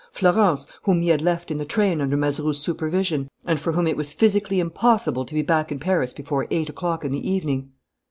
Florence, whom he had left in the train under Mazeroux's supervision and for whom it was physically impossible to be back in Paris before eight o'clock in the evening!